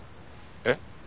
えっ？